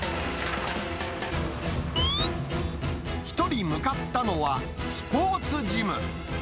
一人向かったのはスポーツジム。